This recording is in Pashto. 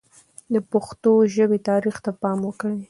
د پښتو ژبې تاریخ ته پام وکړئ.